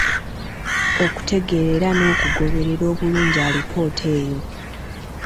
Okutegera era n'okugoberera obulungi alipoota eyo.